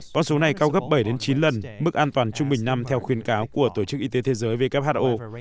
con số này cao gấp bảy chín lần mức an toàn trung bình năm theo khuyến cáo của tổ chức y tế thế giới who